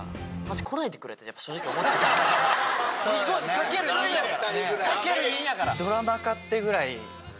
掛ける２やから。